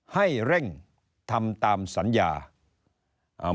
ให้เร่งทำตามสัญญาอ่า